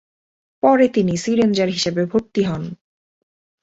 পরে তিনি sea ranger হিসাবে ভর্তি হন।